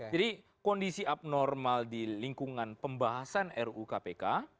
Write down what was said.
jadi kondisi abnormal di lingkungan pembahasan ru kpk